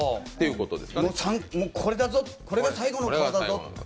これだぞ、これが最後の顔だぞ！